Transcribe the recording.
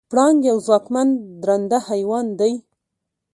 پړانګ یو ځواکمن درنده حیوان دی.